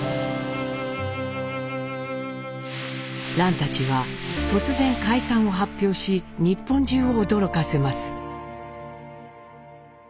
蘭たちは突然解散を発表し日本中を驚かせます。